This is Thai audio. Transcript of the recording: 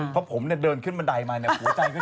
เพราะผมเดินขึ้นบันไดมาหัวใจก็จะไวน์แล้ว